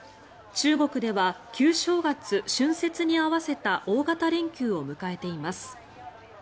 中国では旧正月、春節に合わせた大型連休を迎えています。